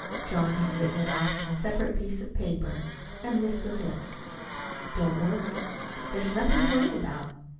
John had written it off on a separate piece of paper, and this was it: Don't worry: there's nothing to worry about.